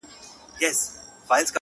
هولکي د وارخطا ورور دئ.